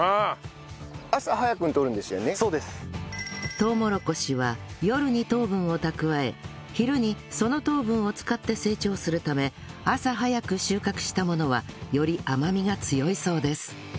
とうもろこしは夜に糖分を蓄え昼にその糖分を使って成長するため朝早く収穫したものはより甘みが強いそうです